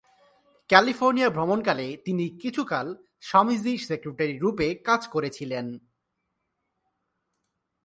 California ভ্রমণকালে তিনি কিছুকাল স্বামীজীর সেক্রেটারী-রূপে কাজ করিয়াছিলেন।